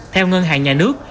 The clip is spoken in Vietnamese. theo ngân hàng nhà nước